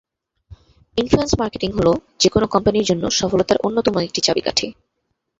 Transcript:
Influence marketing হল যে কোন কোম্পানির জন্য সফলতার অন্যতম একটি চাবিকাঠি।